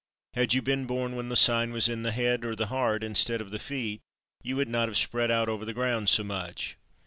Had you been born when the sign was in the head or the heart, instead of the feet, you would not have spread out over the ground so much.